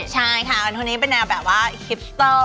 ใช่ค่ะวันนี้เป็นแนวแบบว่าฮิปเตอร์